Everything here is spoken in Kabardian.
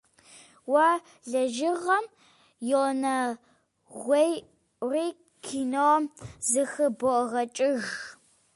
Уи лэжьыгъэм уонэгуейри, кином зыхыбогъэкӏыж.